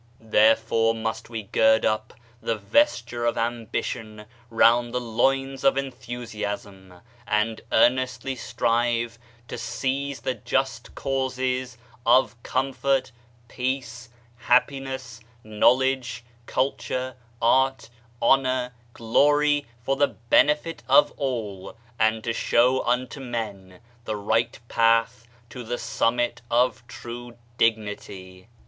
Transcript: Therefore must we gird up the vesture of ambi tion round the loins of enthusiasm, and earnestly strive to seize the just causes of comfort, peace, Digitized by Google INTRODUCTION happiness, knowledge, culture, art, honor, glory, for the benefit of all, and to show unto men the right path to the summit of true dignity.